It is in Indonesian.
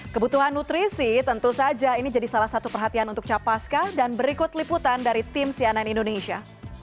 kebutuhan nutrisi tentu saja ini jadi salah satu perhatian untuk capaska dan berikut liputan dari tim sianan indonesia